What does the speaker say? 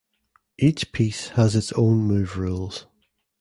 Each piece has its own move rules.